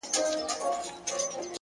• مسافري خواره خواري ده,